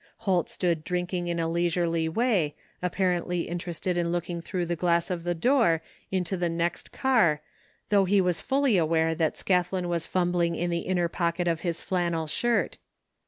Holt stood drinking in a leisurely way, apparently interested in looking through the glass of the door into the next car though he was fully aware that Scathlin was fumbling in the inner pocket of his flannel shirt.